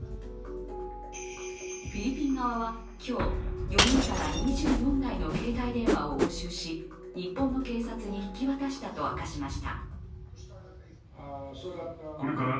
フィリピン側は今日、４人から２４台の携帯電話を押収し日本の警察に引き渡したと明かしました。